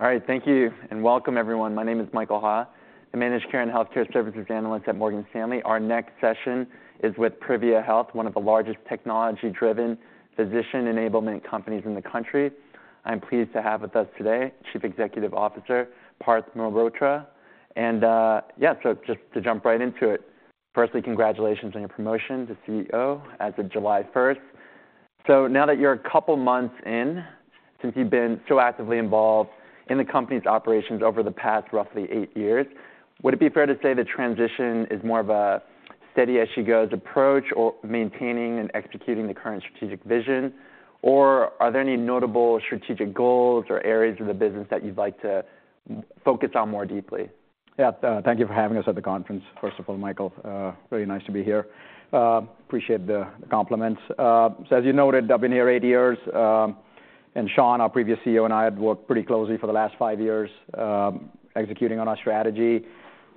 All right, thank you, and welcome everyone. My name is Michael Ha, the Managed Care and Healthcare Services Analyst at Morgan Stanley. Our next session is with Privia Health, one of the largest technology-driven physician enablement companies in the country. I'm pleased to have with us today, Chief Executive Officer, Parth Mehrotra. And, yeah, so just to jump right into it, firstly, congratulations on your promotion to CEO as of July 1st. So now that you're a couple of months in, since you've been so actively involved in the company's operations over the past roughly eight years, would it be fair to say the transition is more of a steady-as-she-goes approach or maintaining and executing the current strategic vision, or are there any notable strategic goals or areas of the business that you'd like to focus on more deeply? Yeah. Thank you for having us at the conference, first of all, Michael. Very nice to be here. Appreciate the, the compliments. So as you noted, I've been here eight years, and Shawn, our previous CEO, and I had worked pretty closely for the last five years, executing on our strategy.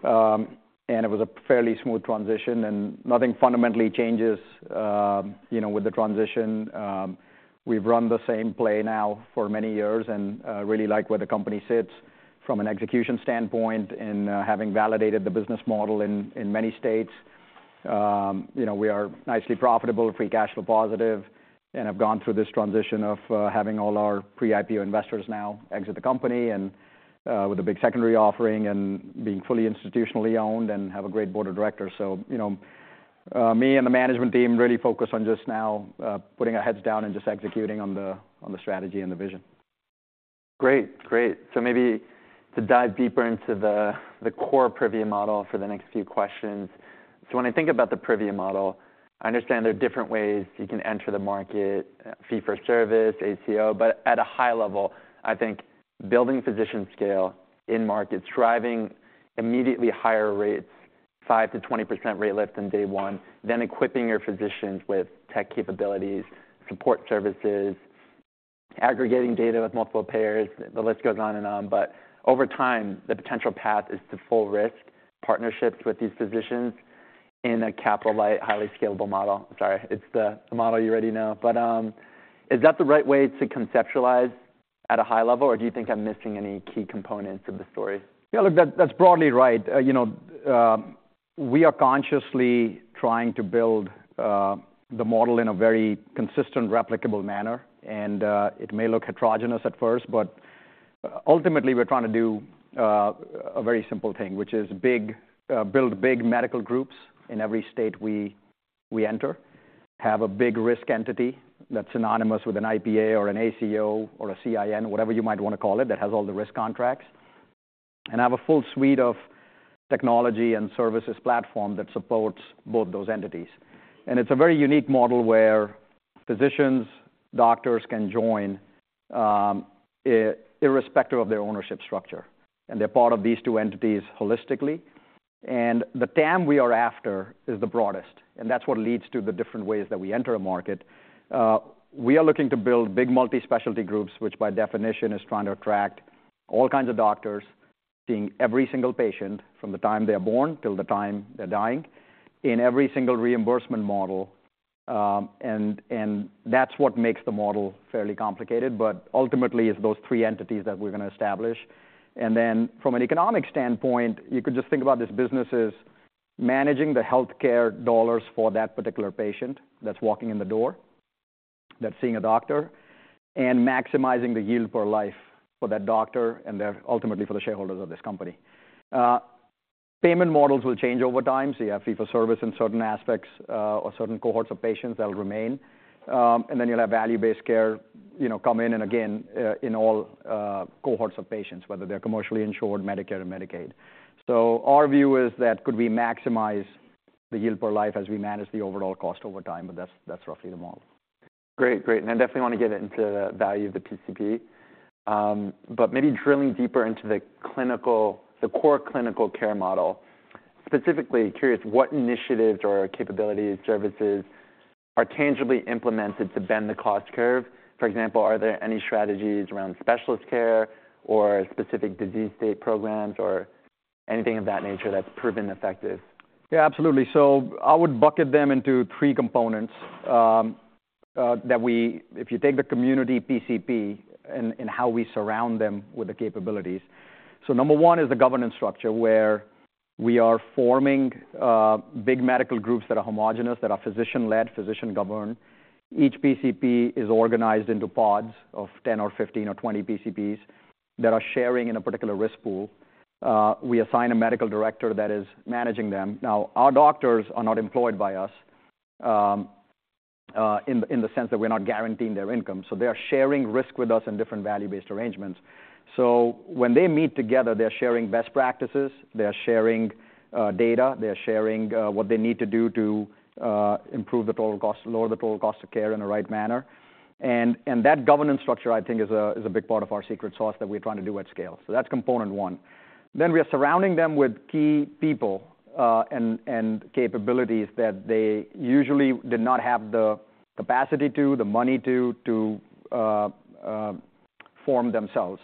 It was a fairly smooth transition, and nothing fundamentally changes, you know, with the transition. We've run the same play now for many years, and really like where the company sits from an execution standpoint in having validated the business model in, in many states. You know, we are nicely profitable, free cash flow positive, and have gone through this transition of having all our pre-IPO investors now exit the company and with a big secondary offering and being fully institutionally owned and have a great board of directors. So you know, me and the management theme really focus on just now putting our heads down and just executing on the strategy and the vision. Great. Great. So maybe to dive deeper into the core Privia model for the next few questions. So when I think about the Privia model, I understand there are different ways you can enter the market, fee-for-service, ACO, but at a high level, I think building physician scale in markets, driving immediately higher rates, 5%-20% rate lift in day one, then equipping your physicians with tech capabilities, support services, aggregating data with multiple payers, the list goes on and on. But over time, the potential path is to full risk partnerships with these physicians in a capital-light, highly scalable model. Sorry, it's the model you already know. But, is that the right way to conceptualize at a high level, or do you think I'm missing any key components of the story? Yeah, look, that's, that's broadly right. You know, we are consciously trying to build the model in a very consistent, replicable manner, and it may look heterogeneous at first, but ultimately, we're trying to do a very simple thing, which is big, build big medical groups in every state we, we enter, have a big risk entity that's synonymous with an IPA or an ACO or a CIN, whatever you might want to call it, that has all the risk contracts, and have a full suite of technology and services platform that supports both those entities. And it's a very unique model where physicians, doctors can join irrespective of their ownership structure, and they're part of these two entities holistically. And the TAM we are after is the broadest, and that's what leads to the different ways that we enter a market. We are looking to build big multi-specialty groups, which by definition, is trying to attract all kinds of doctors, seeing every single patient from the time they are born till the time they're dying, in every single reimbursement model. And that's what makes the model fairly complicated, but ultimately, it's those three entities that we're going to establish. And then from an economic standpoint, you could just think about this business as managing the healthcare dollars for that particular patient that's walking in the door, that's seeing a doctor, and maximizing the yield per life for that doctor and then ultimately for the shareholders of this company. Payment models will change over time, so you have fee for service in certain aspects, or certain cohorts of patients that will remain. And then you'll have value-based care, you know, come in and again, in all cohorts of patients, whether they're commercially insured, Medicare or Medicaid. Our view is that could we maximize the yield per life as we manage the overall cost over time, but that's, that's roughly the model. Great. Great. I definitely want to get into the value of the PCP, but maybe drilling deeper into the clinical, the core clinical care model, specifically curious what initiatives or capabilities, services are tangibly implemented to bend the cost curve? For example, are there any strategies around specialist care or specific disease state programs or anything of that nature that's proven effective? Yeah, absolutely. So I would bucket them into three components that if you take the community PCP and how we surround them with the capabilities. So number one is the governance structure, where we are forming big medical groups that are homogeneous, that are physician-led, physician-governed. Each PCP is organized into pods of 10 or 15 or 20 PCPs that are sharing in a particular risk pool. We assign a medical director that is managing them. Now, our doctors are not employed by us in the sense that we're not guaranteeing their income, so they are sharing risk with us in different value-based arrangements. So when they meet together, they're sharing best practices, they're sharing, data, they're sharing, what they need to do to, improve the total cost, lower the total cost of care in the right manner. That governance structure, I think, is a big part of our secret sauce that we're trying to do at scale. So that's component one. Then we are surrounding them with key people, and capabilities that they usually did not have the capacity to, the money to, form themselves,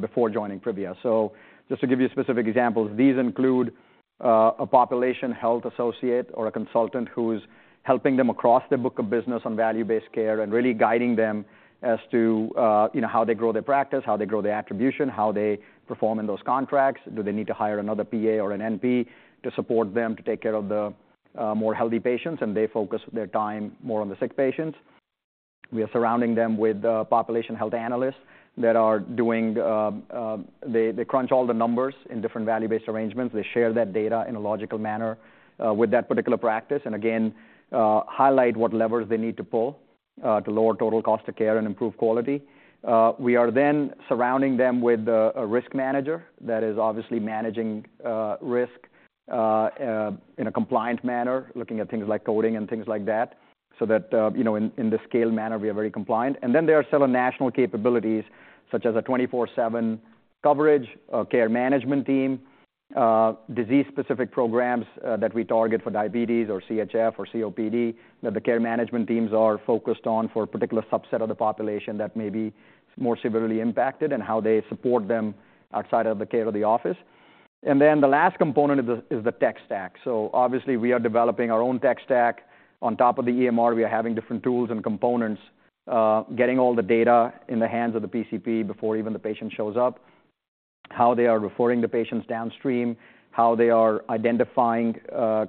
before joining Privia. So just to give you specific examples, these include-... A population health associate or a consultant who's helping them across their book of business on value-based care, and really guiding them as to, you know, how they grow their practice, how they grow their attribution, how they perform in those contracts. Do they need to hire another PA or an NP to support them, to take care of the more healthy patients, and they focus their time more on the sick patients? We are surrounding them with population health analysts that are doing. They crunch all the numbers in different value-based arrangements. They share that data in a logical manner with that particular practice, and again, highlight what levers they need to pull to lower total cost of care and improve quality. We are then surrounding them with a risk manager that is obviously managing risk in a compliant manner, looking at things like coding and things like that, so that, you know, in the scale manner, we are very compliant. And then there are several national capabilities, such as 24/7 coverage, a care management team, disease-specific programs that we target for diabetes or CHF or COPD, that the care management teams are focused on for a particular subset of the population that may be more severely impacted, and how they support them outside of the care of the office. And then the last component is the tech stack. So obviously, we are developing our own tech stack. On top of the EMR, we are having different tools and components, getting all the data in the hands of the PCP before even the patient shows up, how they are referring the patients downstream, how they are identifying,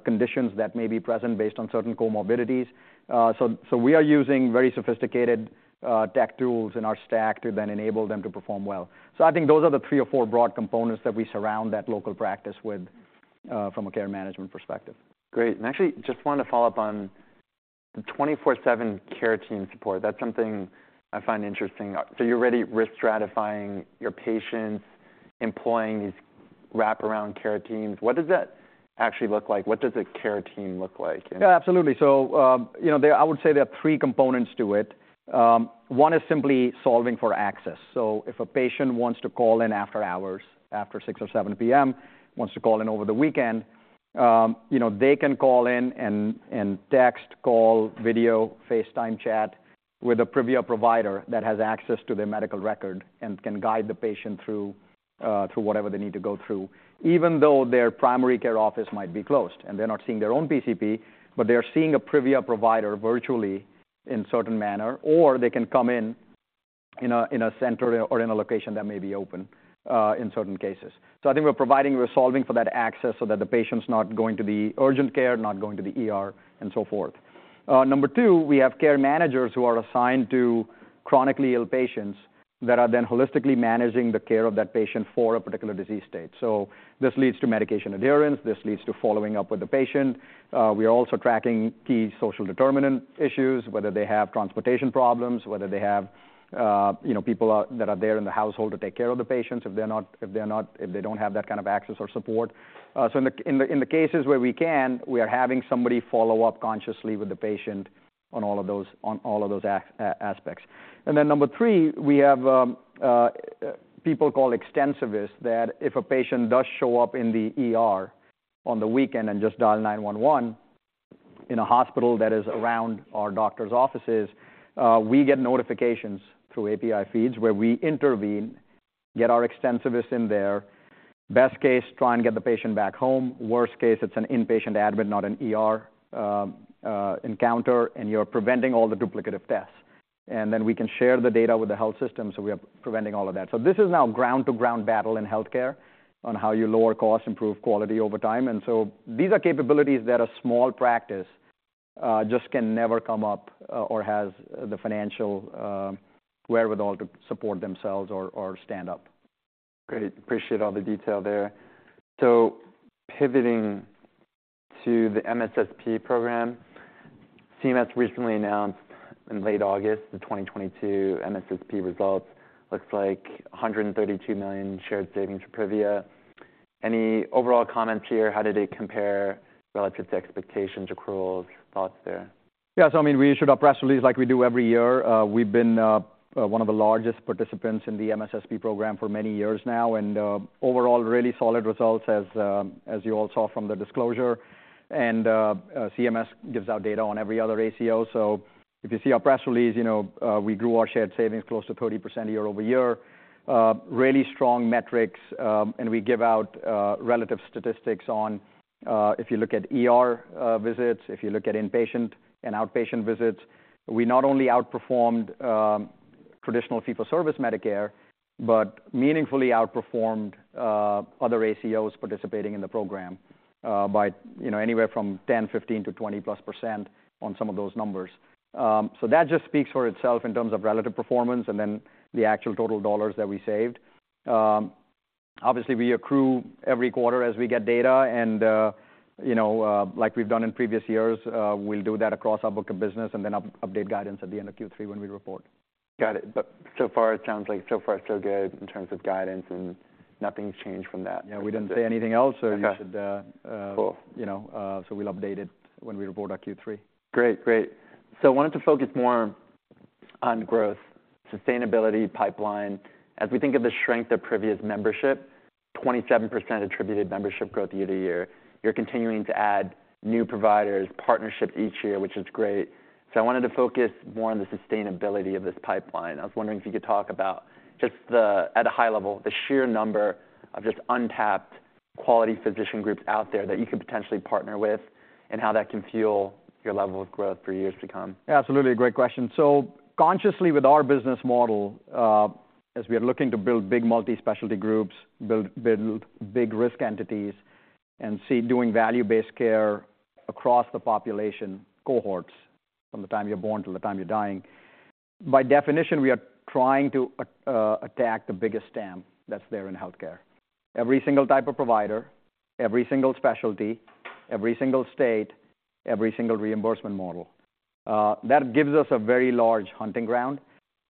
conditions that may be present based on certain comorbidities. So, we are using very sophisticated, tech tools in our stack to then enable them to perform well. So I think those are the three or four broad components that we surround that local practice with, from a care management perspective. Great. And actually, just wanted to follow up on the 24/7 care team support. That's something I find interesting. So you're already risk stratifying your patients, employing these wraparound care teams. What does that actually look like? What does a care team look like? Yeah, absolutely. So, you know, I would say there are three components to it. One is simply solving for access. So if a patient wants to call in after hours, after six or 7 P.M., wants to call in over the weekend, you know, they can call in and text, call, video, FaceTime chat, with a Privia provider that has access to their medical record and can guide the patient through whatever they need to go through, even though their primary care office might be closed. And they're not seeing their own PCP, but they are seeing a Privia provider virtually in certain manner, or they can come in, in a center or in a location that may be open, in certain cases. So I think we're providing, we're solving for that access so that the patient's not going to the urgent care, not going to the ER, and so forth. Number two, we have care managers who are assigned to chronically ill patients, that are then holistically managing the care of that patient for a particular disease state. So this leads to medication adherence, this leads to following up with the patient. We ar also tracking key social determinant issues, whether they have transportation problems, whether they have, you know, people that are there in the household to take care of the patients, if they don't have that kind of access or support. So in the cases where we can, we are having somebody follow up closely with the patient on all of those aspects. And then number 3, we have people called extensivists, that if a patient does show up in the ER on the weekend and just dial 911, in a hospital that is around our doctor's offices, we get notifications through API feeds, where we intervene, get our extensivists in there. Best case, try and get the patient back home. Worst case, it's an inpatient admit, not an ER encounter, and you're preventing all the duplicative tests. And then we can share the data with the health system, so we are preventing all of that. So this is now ground-to-ground battle in healthcare, on how you lower cost, improve quality over time. These are capabilities that a small practice just can never come up or has the financial wherewithal to support themselves or stand up. Great. Appreciate all the detail there. So pivoting to the MSSP program, CMS recently announced in late August, the 2022 MSSP results. Looks like $132 million shared savings for Privia. Any overall comments here? How did they compare relative to expectations, accruals? Thoughts there. Yeah, so I mean, we issued a press release like we do every year. We've been one of the largest participants in the MSSP program for many years now, and overall, really solid results, as you all saw from the disclosure. And CMS gives out data on every other ACO, so if you see our press release, you know, we grew our shared savings close to 30% year-over-year. Really strong metrics, and we give out relative statistics on if you look at ER visits, if you look at inpatient and outpatient visits, we not only outperformed traditional fee-for-service Medicare, but meaningfully outperformed other ACOs participating in the program by you know, anywhere from 10, 15, to 20-plus% on some of those numbers. So that just speaks for itself in terms of relative performance, and then the actual total dollars that we saved. Obviously, we accrue every quarter as we get data, and, you know, like we've done in previous years, we'll do that across our book of business and then update guidance at the end of Q3 when we report. Got it. But so far, it sounds like so far, so good in terms of guidance, and nothing's changed from that. Yeah, we didn't say anything else- Okay. So you should, Cool... you know, so we'll update it when we report our Q3. Great. Great. So I wanted to focus more on growth, sustainability, pipeline. As we think of the strength of Privia's membership, 27% attributed membership growth year-over-year. You're continuing to add new providers, partnerships each year, which is great. So I wanted to focus more on the sustainability of this pipeline. I was wondering if you could talk about just the at a high level, the sheer number of just untapped quality physician groups out there that you could potentially partner with, and how that can fuel your level of growth for years to come? Yeah, absolutely. A great question. So consciously, with our business model, as we are looking to build big multi-specialty groups, build, build big risk entities, and see doing value-based care across the population cohorts, from the time you're born till the time you're dying, by definition, we are trying to attack the biggest TAM that's there in healthcare. Every single type of provider, every single specialty, every single state, every single reimbursement model. That gives us a very large hunting ground,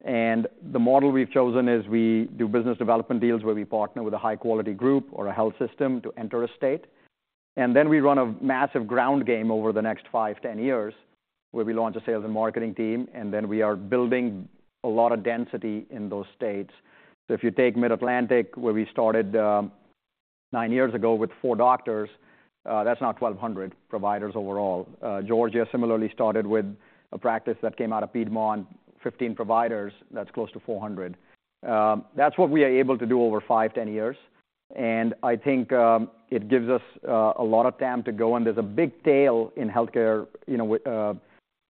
and the model we've chosen is we do business development deals, where we partner with a high-quality group or a health system to enter a state. And then we run a massive ground game over the next five, 10 years, where we launch a sales and marketing team, and then we are building a lot of density in those states. So if you take Mid-Atlantic, where we started nine years ago with four doctors, that's now 1,200 providers overall. Georgia similarly started with a practice that came out of Piedmont, 15 providers, that's close to 400. That's what we are able to do over five, 10 years, and I think it gives us a lot of TAM to go, and there's a big tail in healthcare, you know, with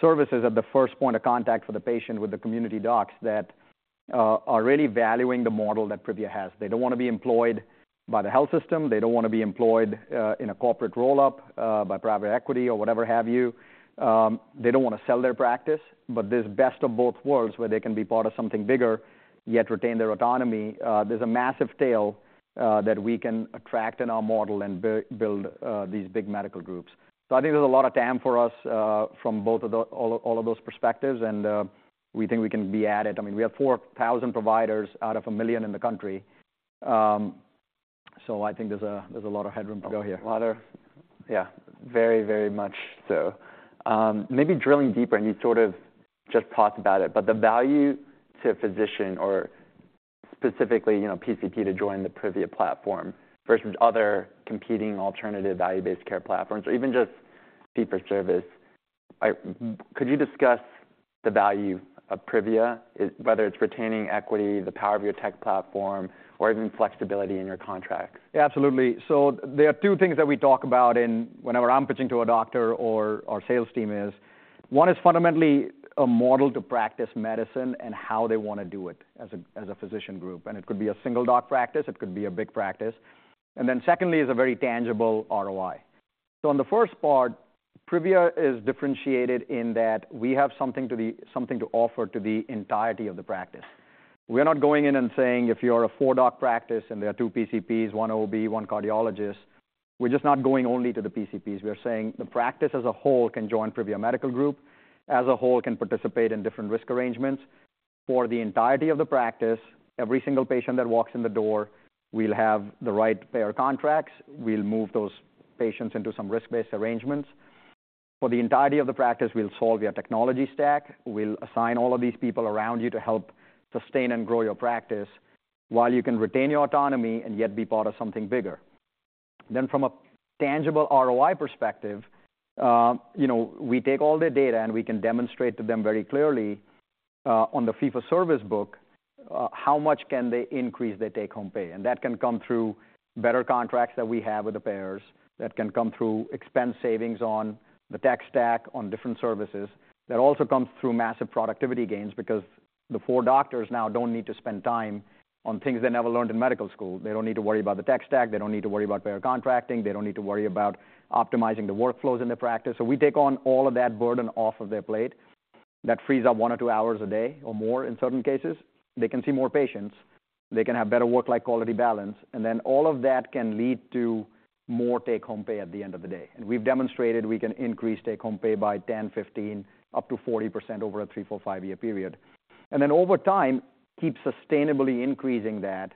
services at the first point of contact for the patient with the community docs that are really valuing the model that Privia has. They don't wanna be employed by the health system, they don't wanna be employed in a corporate roll-up by private equity or whatever have you. They don't wanna sell their practice, but this best of both worlds, where they can be part of something bigger, yet retain their autonomy. There's a massive tail that we can attract in our model and build these big medical groups. So I think there's a lot of TAM for us from all of those perspectives, and we think we can be at it. I mean, we have 4,000 providers out of 1 million in the country. So I think there's a lot of headroom to go here. Yeah, very, very much so. Maybe drilling deeper, and you sort of just talked about it, but the value to a physician or specifically, you know, PCP to join the Privia Platform, versus other competing alternative value-based care platforms, or even just fee-for-service, could you discuss the value of Privia, whether it's retaining equity, the power of your tech platform, or even flexibility in your contracts? Yeah, absolutely. So there are two things that we talk about in whenever I'm pitching to a doctor or our sales team is, one, is fundamentally a model to practice medicine and how they wanna do it as a physician group, and it could be a single-doc practice, it could be a big practice. And then secondly, is a very tangible ROI. So on the first part, Privia is differentiated in that we have something to offer to the entirety of the practice. We're not going in and saying, if you are a four-doc practice and there are two PCPs, one OB, one cardiologist, we're just not going only to the PCPs. We are saying the practice as a whole can join Privia Medical Group, as a whole can participate in different risk arrangements. For the entirety of the practice, every single patient that walks in the door, we'll have the right payer contracts, we'll move those patients into some risk-based arrangements. For the entirety of the practice, we'll solve your technology stack, we'll assign all of these people around you to help sustain and grow your practice, while you can retain your autonomy and yet be part of something bigger. Then from a tangible ROI perspective, you know, we take all their data, and we can demonstrate to them very clearly, on the fee-for-service book, how much can they increase their take-home pay. And that can come through better contracts that we have with the payers, that can come through expense savings on the tech stack, on different services. That also comes through massive productivity gains because the 4 doctors now don't need to spend time on things they never learned in medical school. They don't need to worry about the tech stack, they don't need to worry about payer contracting, they don't need to worry about optimizing the workflows in the practice. So we take on all of that burden off of their plate. That frees up one or two hours a day, or more in certain cases. They can see more patients, they can have better work-life quality balance, and then all of that can lead to more take-home pay at the end of the day. And we've demonstrated we can increase take-home pay by 10%, 15%, up to 40% over a three, four, five year period. And then over time, keep sustainably increasing that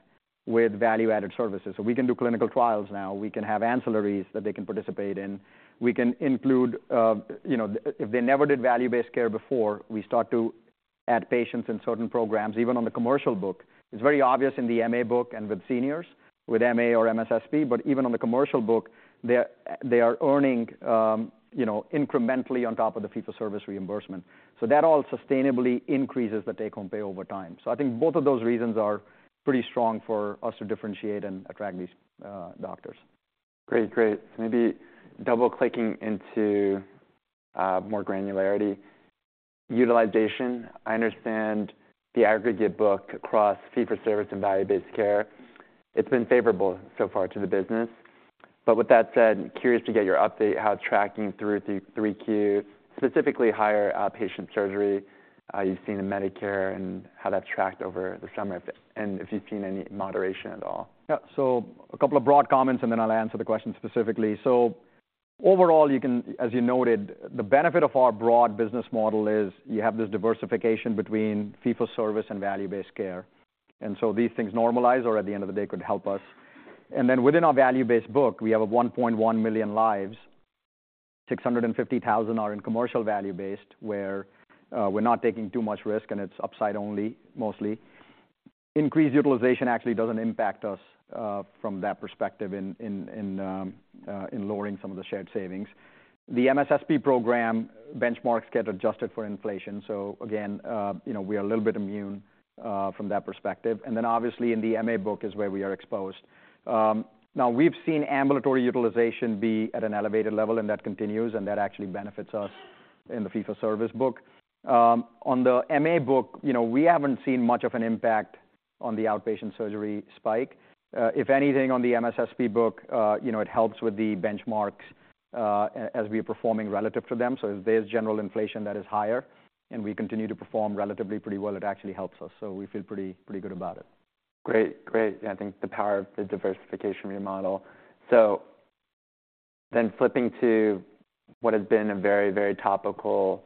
with value-added services. So we can do clinical trials now, we can have ancillaries that they can participate in. We can include, you know, if they never did value-based care before, we start to add patients in certain programs, even on the commercial book. It's very obvious in the MA book and with seniors, with MA or MSSP, but even on the commercial book, they're, they are earning, you know, incrementally on top of the fee-for-service reimbursement. So that all sustainably increases the take-home pay over time. So I think both of those reasons are pretty strong for us to differentiate and attract these, doctors. Great. Great. So maybe double-clicking into more granularity. Utilization, I understand the aggregate book across fee-for-service and value-based care. It's been favorable so far to the business, but with that said, curious to get your update, how it's tracking through 3Q, specifically higher outpatient surgery you've seen in Medicare and how that's tracked over the summer, and if you've seen any moderation at all? Yeah. So a couple of broad comments, and then I'll answer the question specifically. So overall, as you noted, the benefit of our broad business model is, you have this diversification between fee-for-service and value-based care, and so these things normalize or at the end of the day, could help us. And then within our value-based book, we have a 1.1 million lives. 650,000 are in commercial value based, where we're not taking too much risk, and it's upside only, mostly. Increased utilization actually doesn't impact us from that perspective in lowering some of the shared savings. The MSSP program benchmarks get adjusted for inflation. So again, you know, we are a little bit immune from that perspective. And then obviously, in the MA book is where we are exposed. Now we've seen ambulatory utilization be at an elevated level, and that continues, and that actually benefits us in the fee-for-service book. On the MA book, you know, we haven't seen much of an impact on the outpatient surgery spike. If anything, on the MSSP book, you know, it helps with the benchmarks, as we are performing relative to them. So if there's general inflation that is higher and we continue to perform relatively pretty well, it actually helps us. So we feel pretty, pretty good about it. Great. Great, I think the power of the diversification remodel. So then flipping to what has been a very, very topical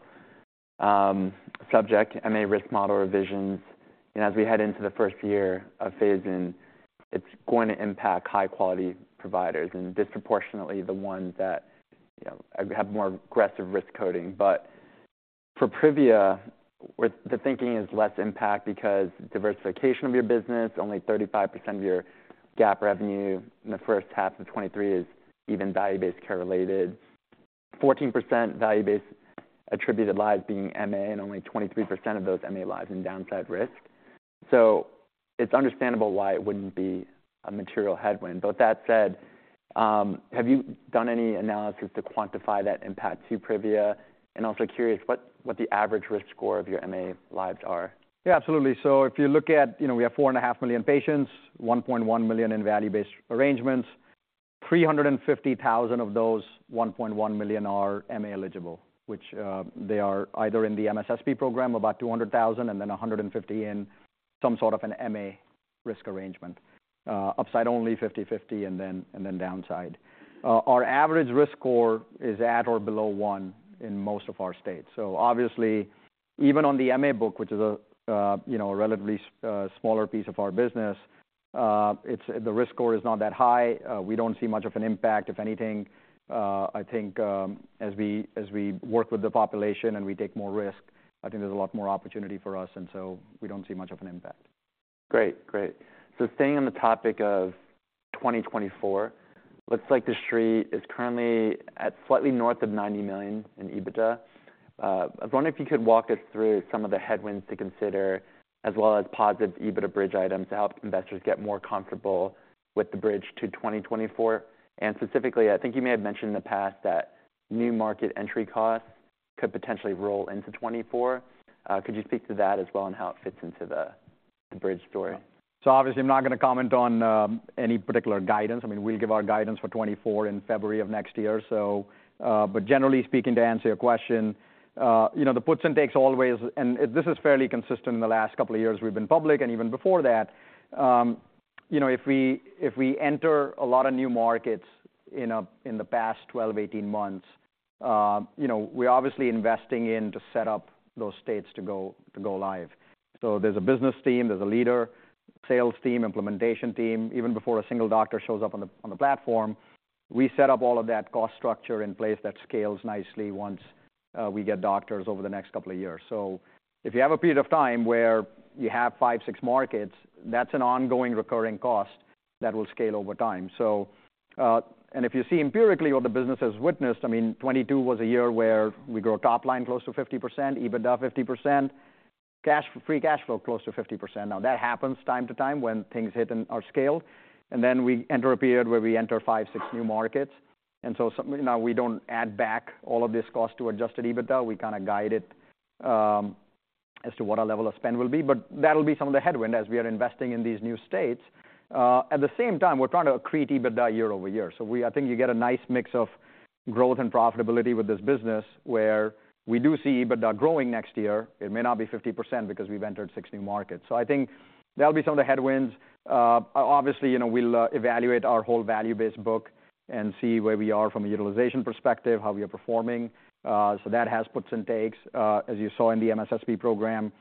subject, MA risk model revisions. And as we head into the first year of phase in, it's going to impact high-quality providers, and disproportionately, the ones that, you know, have more aggressive risk coding. But for Privia, with the thinking is less impact because diversification of your business, only 35% of your GAAP eevenue in the first half of 2023 is even value-based care related. 14% value-based attributed lives being MA, and only 23% of those MA lives in downside risk. So it's understandable why it wouldn't be a material headwind. But that said, have you done any analysis to quantify that impact to Privia? And also curious, what, what the average risk score of your MA lives are? Yeah, absolutely. So if you look at, you know, we have 4.5 million patients, 1.1 million in value-based arrangements, 350,000 of those 1.1 million are MA eligible, which, they are either in the MSSP program, about 200,000, and then 150 in some sort of an MA risk arrangement, upside only 50/50, and then downside. Our average risk score is at or below one in most of our states. So obviously, even on the MA book, which is a, you know, a relatively smaller piece of our business, it's the risk score is not that high. We don't see much of an impact. If anything, I think as we work with the population and we take more risk, I think there's a lot more opportunity for us, and so we don't see much of an impact. Great. Great. So staying on the topic of 2024, looks like the street is currently at slightly north of $90 million in EBITDA. I was wondering if you could walk us through some of the headwinds to consider, as well as positive EBITDA bridge items to help investors get more comfortable with the bridge to 2024. And specifically, I think you may have mentioned in the past that new market entry costs could potentially roll into 2024. Could you speak to that as well and how it fits into the bridge story? So obviously, I'm not gonna comment on any particular guidance. I mean, we'll give our guidance for 2024 in February of next year. But generally speaking, to answer your question, you know, the puts and takes always, and this is fairly consistent in the last couple of years we've been public, and even before that, you know, if we enter a lot of new markets in the past 12, 18 months, you know, we're obviously investing in to set up those states to go live. So there's a business team, there's a leader, sales team, implementation team. Even before a single doctor shows up on the platform, we set up all of that cost structure in place that scales nicely once we get doctors over the next couple of years. So if you have a period of time where you have five, six markets, that's an ongoing recurring cost that will scale over time. So, and if you see empirically what the business has witnessed, I mean, 2022 was a year where we grew top line close to 50%, EBITDA 50%, cash free cash flow, close to 50%. Now, that happens time to time when things hit in our scale, and then we enter a period where we enter five, six new markets. And so some now, we don't add back all of this cost to Adjusted EBITDA. We kinda guide it, as to what our level of spend will be, but that'll be some of the headwind as we are investing in these new states. At the same time, we're trying to accrete EBITDA year-over-year. So, I think you get a nice mix of growth and profitability with this business, where we do see EBITDA growing next year. It may not be 50% because we've entered 6 new markets. So I think that'll be some of the headwinds. Obviously, you know, we'll evaluate our whole value-based book and see where we are from a utilization perspective, how we are performing. So that has puts and takes. As you saw in the MSSP program,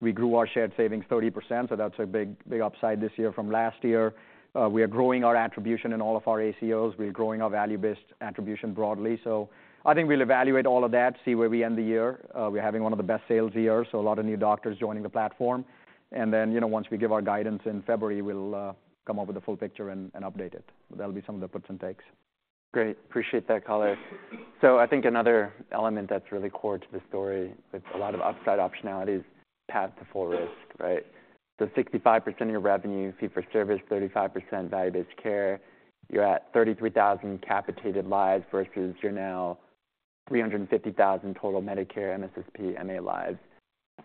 we grew our shared savings 30%, so that's a big, big upside this year from last year. We are growing our attribution in all of our ACOs. We are growing our value-based attribution broadly. So I think we'll evaluate all of that, see where we end the year. We're having one of the best sales years, so a lot of new doctors joining the platform. Then, you know, once we give our guidance in February, we'll come up with a full picture and, and update it. That'll be some of the puts and takes. Great. Appreciate that color. So I think another element that's really core to the story with a lot of upside optionality is path to full risk, right? So 65% of your revenue, fee for service, 35% value-based care. You're at 33,000 capitated lives versus you're now 350,000 total Medicare MSSP MA lives.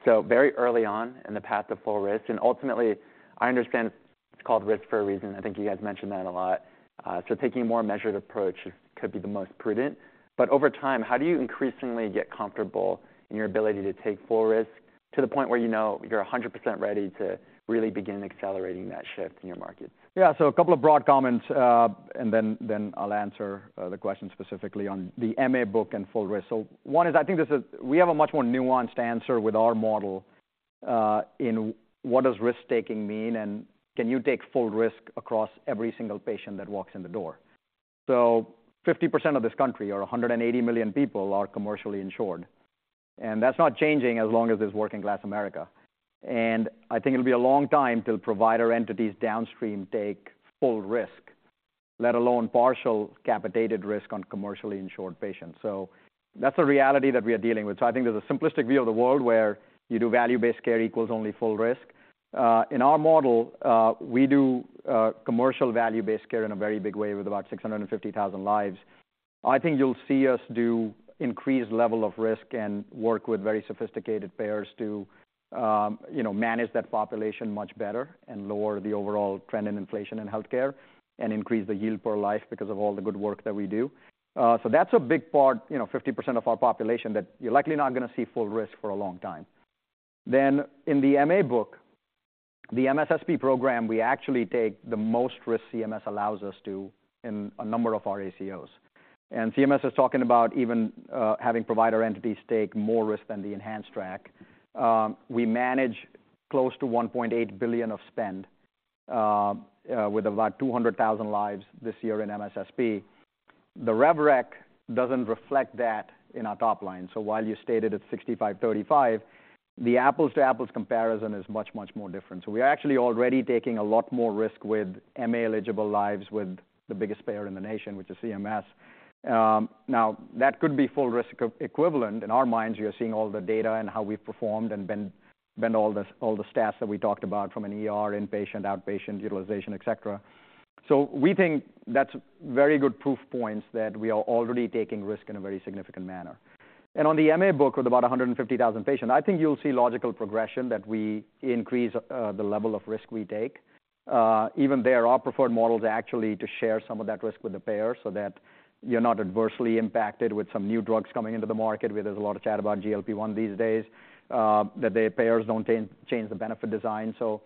So very early on in the path to full risk, and ultimately, I understand it's called risk for a reason. I think you guys mentioned that a lot. So taking a more measured approach could be the most prudent. But over time, how do you increasingly get comfortable in your ability to take full risk to the point where you know you're 100% ready to really begin accelerating that shift in your markets? Yeah. So a couple of broad comments, and then I'll answer the question specifically on the MA book and full risk. So one is, I think this is... We have a much more nuanced answer with our model, in what does risk-taking mean, and can you take full risk across every single patient that walks in the door? So 50% of this country, or 180 million people, are commercially insured. And that's not changing as long as there's working-class America. And I think it'll be a long time till provider entities downstream take full risk, let alone partial capitated risk on commercially insured patients. So that's a reality that we are dealing with. So I think there's a simplistic view of the world, where you do value-based care equals only full risk. In our model, we do commercial value-based care in a very big way with about 650,000 lives. I think you'll see us do increased level of risk and work with very sophisticated payers to, you know, manage that population much better and lower the overall trend in inflation in healthcare, and increase the yield per life because of all the good work that we do. So that's a big part, you know, 50% of our population, that you're likely not gonna see full risk for a long time. Then in the MA book, the MSSP program, we actually take the most risk CMS allows us to in a number of our ACOs. And CMS is talking about even having provider entities take more risk than the enhanced track. We manage close to $1.8 billion of spend with about 200,000 lives this year in MSSP. The rev rec doesn't reflect that in our top line, so while you stated it's 65-35, the apples-to-apples comparison is much, much more different. So we are actually already taking a lot more risk with MA-eligible lives with the biggest payer in the nation, which is CMS. That could be full risk equivalent. In our minds, we are seeing all the data and how we've performed and been all the stats that we talked about from an ER, inpatient, outpatient, utilization, et cetera. So we think that's very good proof points that we are already taking risk in a very significant manner. And on the MA book, with about 150,000 patients, I think you'll see logical progression that we increase the level of risk we take. Even there, our preferred model is actually to share some of that risk with the payer, so that you're not adversely impacted with some new drugs coming into the market, where there's a lot of chat about GLP-1 these days, that the payers don't change, change the benefit design. So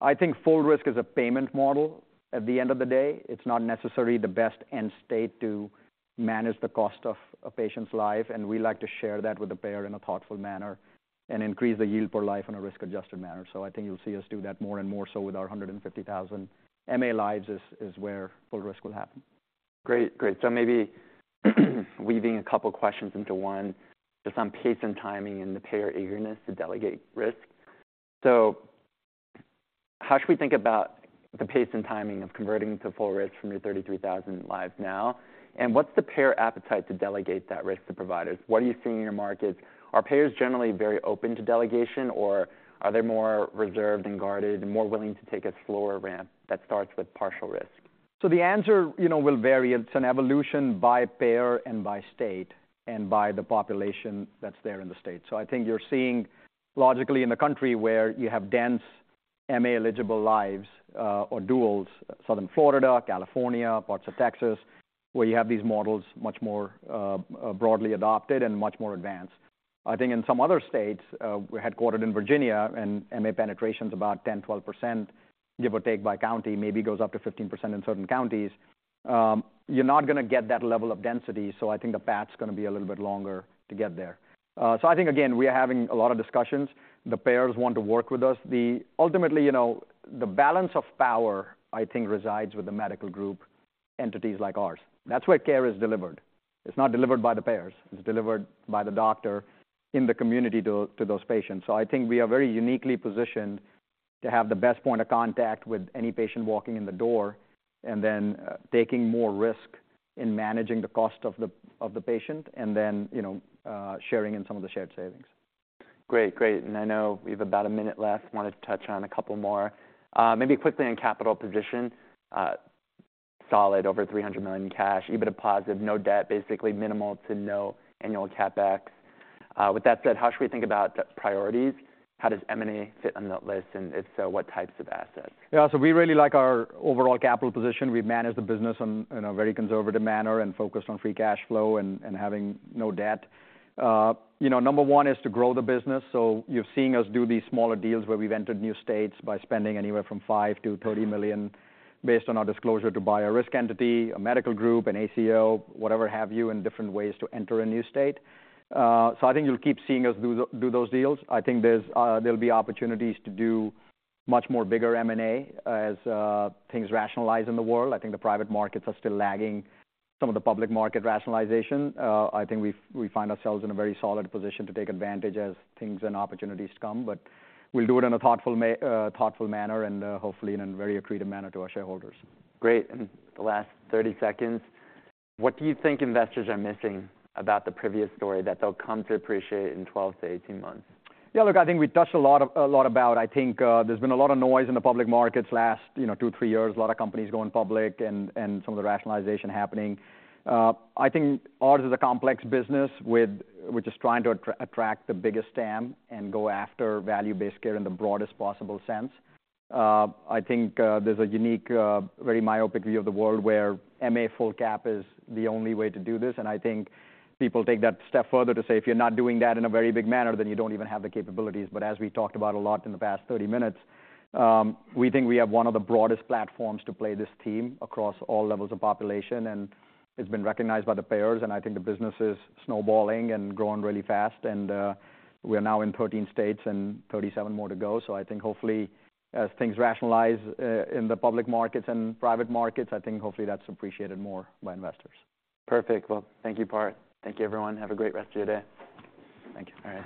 I think full risk is a payment model at the end of the day. It's not necessarily the best end state to manage the cost of a patient's life, and we like to share that with the payer in a thoughtful manner and increase the yield per life in a risk-adjusted manner. So I think you'll see us do that more and more so with our 150,000 MA lives is where full risk will happen. Great. Great. So maybe weaving a couple questions into one, just on pace and timing and the payer eagerness to delegate risk. So how should we think about the pace and timing of converting to full risk from your 33,000 lives now? And what's the payer appetite to delegate that risk to providers? What are you seeing in your markets? Are payers generally very open to delegation, or are they more reserved and guarded and more willing to take a slower ramp that starts with partial risk? So the answer, you know, will vary. It's an evolution by payer and by state and by the population that's there in the state. So I think you're seeing, logically in the country, where you have dense MA-eligible lives, or duals, Southern Florida, California, parts of Texas, where you have these models much more broadly adopted and much more advanced. I think in some other states, we're headquartered in Virginia, and MA penetration's about 10%-12%, give or take, by county. Maybe it goes up to 15% in certain counties. You're not gonna get that level of density, so I think the path's gonna be a little bit longer to get there. So I think, again, we are having a lot of discussions. The payers want to work with us. The... Ultimately, you know, the balance of power, I think, resides with the medical group entities like ours. That's where care is delivered. It's not delivered by the payers. It's delivered by the doctor in the community to, to those patients. So I think we are very uniquely positioned to have the best point of contact with any patient walking in the door, and then, taking more risk in managing the cost of the, of the patient, and then, you know, sharing in some of the shared savings. Great. Great, and I know we have about a minute left. Wanted to touch on a couple more. Maybe quickly on capital position, solid, over $300 million in cash, EBITDA positive, no debt, basically minimal to no annual CapEx. With that said, how should we think about priorities? How does M&A fit on that list, and if so, what types of assets? Yeah, so we really like our overall capital position. We've managed the business in a very conservative manner and focused on free cash flow and having no debt. You know, number one is to grow the business, so you're seeing us do these smaller deals where we've entered new states by spending anywhere from $5 million-$30 million, based on our disclosure, to buy a risk entity, a medical group, an ACO, whatever have you, and different ways to enter a new state. So I think you'll keep seeing us do those deals. I think there'll be opportunities to do much more bigger M&A as things rationalize in the world. I think the private markets are still lagging some of the public market rationalization. I think we find ourselves in a very solid position to take advantage as things and opportunities come, but we'll do it in a thoughtful manner and hopefully in a very accretive manner to our shareholders. Great. In the last 30 seconds, what do you think investors are missing about the previous story that they'll come to appreciate in 12-18 months? Yeah, look, I think we touched a lot about... I think, there's been a lot of noise in the public markets the last, you know, 2, 3 years, a lot of companies going public and some of the rationalization happening. I think ours is a complex business which is trying to attract the biggest TAM and go after value-based care in the broadest possible sense. I think, there's a unique, very myopic view of the world, where MA full cap is the only way to do this, and I think people take that step further to say, "If you're not doing that in a very big manner, then you don't even have the capabilities." But as we talked about a lot in the past 30 minutes, we think we have one of the broadest platforms to play this team across all levels of population, and it's been recognized by the payers, and I think the business is snowballing and growing really fast, and, we are now in 13 states and 37 more to go. So I think hopefully, as things rationalize, in the public markets and private markets, I think hopefully that's appreciated more by investors. Perfect. Well, thank you, Parth. Thank you, everyone. Have a great rest of your day. Thank you. All right. Thank you.